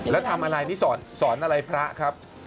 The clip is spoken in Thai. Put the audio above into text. แล้วทำอะไรนี่สอนอะไรพระครับ